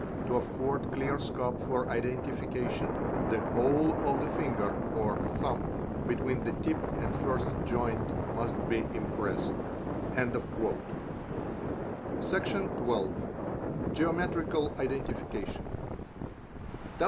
To afford clear scope for identification, the whole of the finger (or thumb) between the tip and first joint must be impressed." || Section xii.—Geometrical Identification.